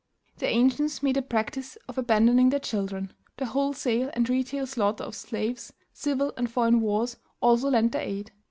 The ancients made a practice of abandoning their children. The wholesale and retail slaughter of slaves, civil and foreign wars, also lent their aid.